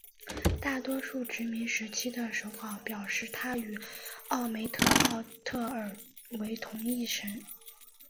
大多数殖民时期的手稿表示她与奥梅特奥特尔为同一神。